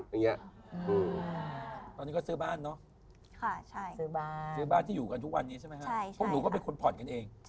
ตอนนี้ก็ซื้อบ้านน่ะ